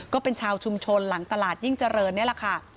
ก็เป็นชาวชุมชนหลังตลาดยิ่งเจริญนี่แหละค่ะ